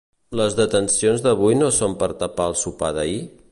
Les detencions d'avui no són per tapar el sopar d'ahir?